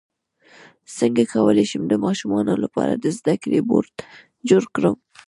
څنګه کولی شم د ماشومانو لپاره د زده کړې بورډ جوړ کړم